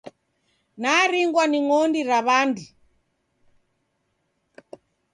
Naringwa ni ng'ondi ra w'andu.